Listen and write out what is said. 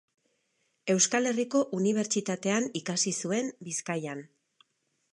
Euskal Herriko Unibertsitatean ikasi zuen Bizkaian.